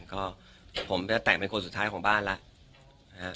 ก็ผมจะแต่งเป็นคนสุดท้ายของบ้านแล้วนะฮะ